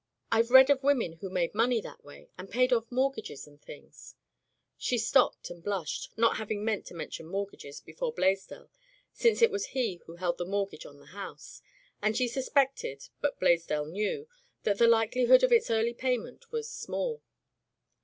I've read of [ 324 ] Digitized by LjOOQ IC Turned Out to Grass woiiien who made money that way, and paid off mortgages and things '* She stopped and blushed, not having meant to mention mortgages before Blaisdell since it was he who held the mortgage on the house, and she suspected (but Blaisdell knew) that the likelihood of its early payment was small.